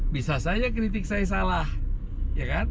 bisa saja kritik saya salah ya kan